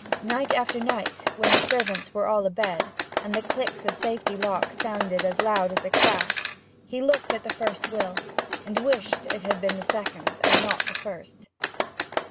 Night after night, when the servants were all abed, and the click of safety locks sounded as loud as a crash, he looked at that first will, and wished it had been the second and not the first.